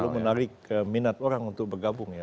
itu menarik minat orang untuk bergabung ya